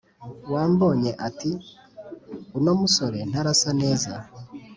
wambonye ati:“Uno musore ntarasa neza